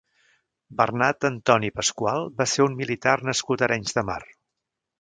Bernat Antoni Pasqual va ser un militar nascut a Arenys de Mar.